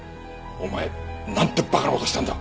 お前なんて馬鹿な事したんだ！